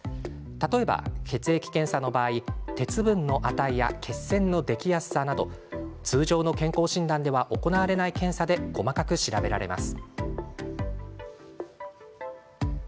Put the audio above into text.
例えば、血液検査の場合鉄分の値や血栓のできやすさなど通常の健康診断では行われない検査で、細かく調べられます。